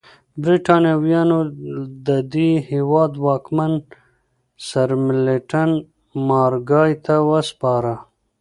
برېټانویانو د دې هېواد واک سرمیلټن مارګای ته وسپاره.